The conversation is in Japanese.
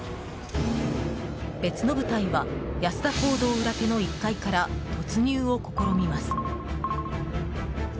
別の部隊は安田講堂裏手の１階から突入を試みます。